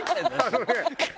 あのね